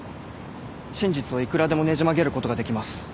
真実をいくらでもねじ曲げることができます。